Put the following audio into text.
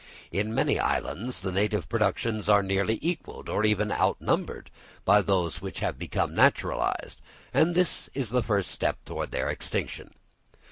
In many islands the native productions are nearly equalled, or even outnumbered, by those which have become naturalised; and this is the first stage towards their extinction.